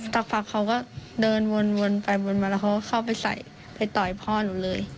สักพักเขาก็เดินวนไปวนมาแล้วเขาก็เข้าไปใส่ไปต่อยพ่อหนูเลย